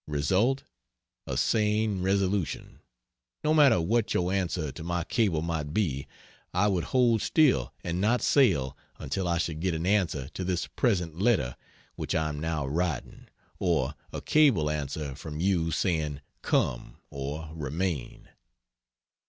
Result a sane resolution; no matter what your answer to my cable might be, I would hold still and not sail until I should get an answer to this present letter which I am now writing, or a cable answer from you saying "Come" or "Remain."